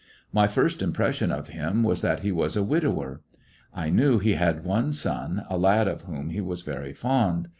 My first impression of him was that he was a widower. I knew he had one son, a lad of whom he was very fond.